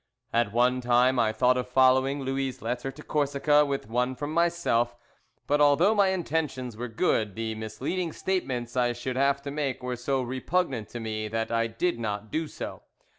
At one time I thought of following Louis' letter to Corsica with one from myself, but although my intentions were good, the misleading statements I should have to make were so repugnant to me that I did not do so.